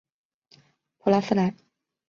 普拉斯莱。